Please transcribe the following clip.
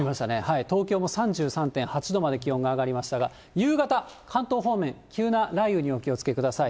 東京も３３．８度まで気温が上がりましたが、夕方、関東方面、急な雷雨にお気をつけください。